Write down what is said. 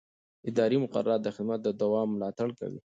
اداري مقررات د خدمت د دوام ملاتړ کوي.